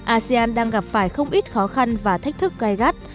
asean đang gặp phải không ít khó khăn và thách thức gai gắt